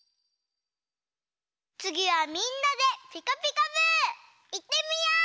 つぎはみんなで「ピカピカブ！」いってみよう！